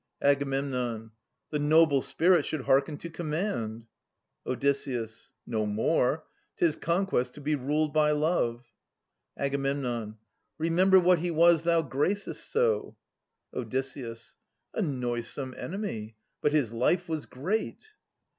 Ag. The 'noble spirit' should hearken to command. Od. No more ! 'Tis conquest to be ruled by love. Ag. Remember what he was thou gracest so. Od. a noisome enemy; but his life was great.